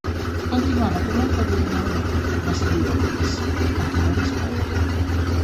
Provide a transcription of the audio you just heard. Continuava comunque a disegnare manga, ma seguiva con passione anche vari sport.